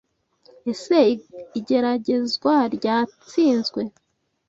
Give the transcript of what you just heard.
Ese Igeragezwa ryatsinzwe.